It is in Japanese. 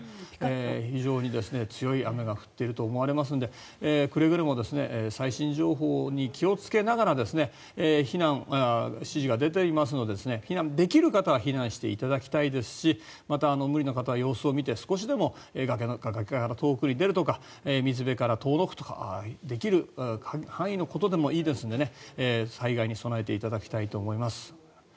非常に強い雨が降っていると思われますのでくれぐれも最新情報に気をつけながら避難指示が出ていますので避難できる方は避難していただきたいですしまた、無理な方は様子を見て少しでも崖から遠くに出るとか水辺から遠のくとかできる範囲のことでもいいですので災害に備えていただきたいと思います。